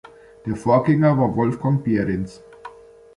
Der Vorgänger war Wolfgang Behrends.